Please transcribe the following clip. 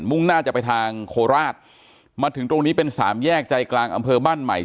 ่งหน้าจะไปทางโคราชมาถึงตรงนี้เป็นสามแยกใจกลางอำเภอบ้านใหม่